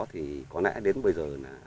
thì có lẽ đến bây giờ